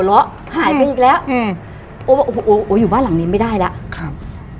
ล้อหายไปอีกแล้วอืมโอ้บอกโอ้โหโอ้อยู่บ้านหลังนี้ไม่ได้แล้วครับ